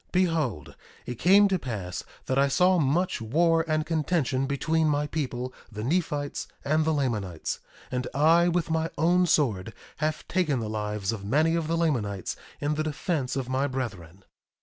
Behold, it came to pass that I saw much war and contention between my people, the Nephites, and the Lamanites; and I, with my own sword, have taken the lives of many of the Lamanites in the defence of my brethren.